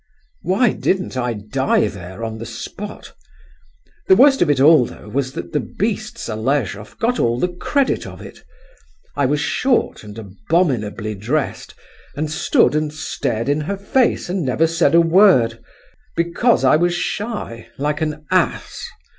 Why didn't I die there on the spot? The worst of it all was, though, that the beast Zaleshoff got all the credit of it! I was short and abominably dressed, and stood and stared in her face and never said a word, because I was shy, like an ass!